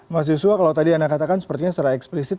mas yusua kalau tadi anda katakan sepertinya secara eksplisit